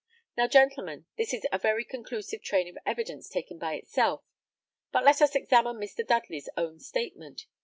Now, gentlemen, this is a very conclusive train of evidence taken by itself; but let us examine Mr. Dudley's own statement.